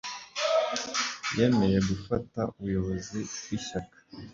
yemeye gufata ubuyobozi bw'ishyaka